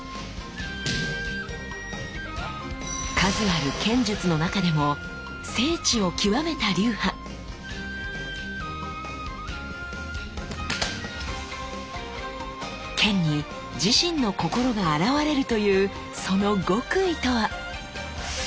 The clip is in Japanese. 数ある剣術の中でも剣に自身の心が表れるというその極意とは？